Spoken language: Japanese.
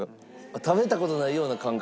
食べた事ないような感覚。